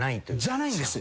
じゃないんです。